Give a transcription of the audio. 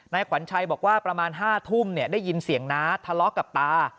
ขวัญชัยบอกว่าประมาณ๕ทุ่มได้ยินเสียงน้าทะเลาะกับตา